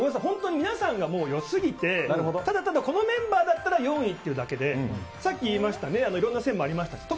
本当に皆さんが良すぎてただただ、このメンバーだったら４位というだけでさっき言いましたいろんな線がありました